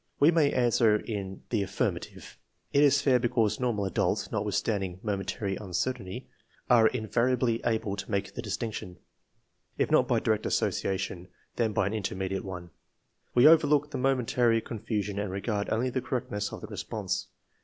We may answer in the affirmative. It is fair because normal adults, notwith 178 THE MEASUREMENT OF INTELLIGENCE standing momentary uncertainty, are invariably able to make the distinction, if not by direct association, then by an intermediate one. We overlook the momentary confu sion and regard only the correctness of the response.